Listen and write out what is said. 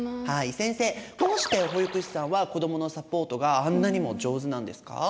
先生どうして保育士さんは子どものサポートがあんなにも上手なんですか？